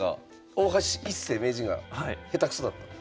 大橋一世名人がへたくそだった？